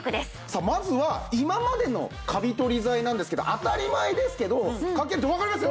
さあまずは今までのカビ取り剤なんですけど当たり前ですけどかけるとわかります？